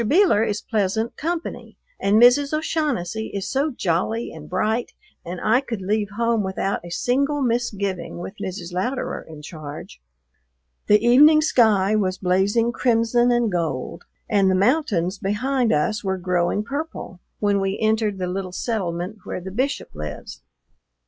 Beeler is pleasant company, and Mrs. O'Shaughnessy is so jolly and bright, and I could leave home without a single misgiving with Mrs. Louderer in charge. The evening sky was blazing crimson and gold, and the mountains behind us were growing purple when we entered the little settlement where the Bishop lives.